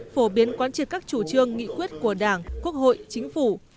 phổ biến quán triệt các chủ trương nghị quyết của đảng quốc hội chính phủ